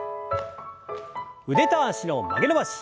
腕と脚の曲げ伸ばし。